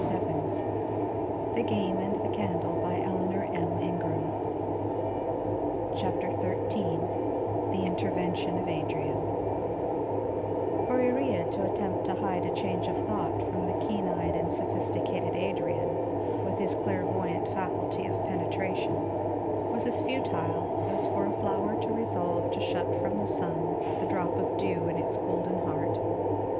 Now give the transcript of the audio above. "Then I have lived to some purpose," he responded serenely. CHAPTER XIII THE INTERVENTION OF ADRIAN For Iría to attempt to hide a change of thought from the keen eyed and sophisticated Adrian with his clairvoyant faculty of penetration was as futile as for a flower to resolve to shut from the sun the drop of dew in its golden heart.